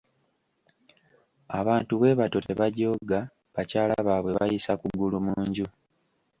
Abantu bwe batyo tebajooga bakyala baabwe bayisa kugulu mu nju!